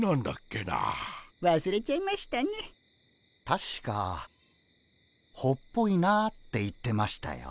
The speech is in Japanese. たしか「ほっぽいな」って言ってましたよ。